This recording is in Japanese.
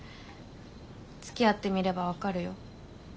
「つきあってみれば分かるよ」